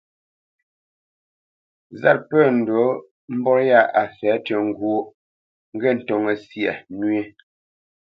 Zât pə̂ ndǔ mbot yâ a fɛ̌ tʉ́ ŋgwóʼ, ŋgê ntóŋə́ syâ nwē.